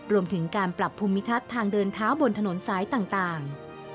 รวมถึงการปรับภูมิทัศน์ทางเดินเท้าบนถนนสายต่าง